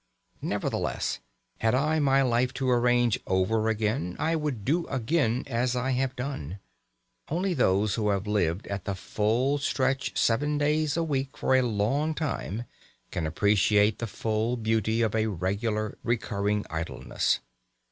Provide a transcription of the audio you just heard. Nevertheless, had I my life to arrange over again, I would do again as I have done. Only those who have lived at the full stretch seven days a week for a long time can appreciate the full beauty of a regular recurring idleness.